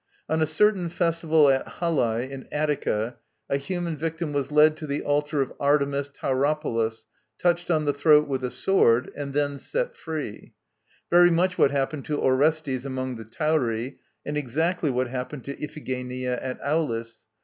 On a certain festival at Halae in Attica a human victim was led to the altar of Artemis Tauropolos, touched on the throat with a sword and then set free: very much what happened to Orestes among the Tauri, and exactly what happened to Iphigenia at Aulis.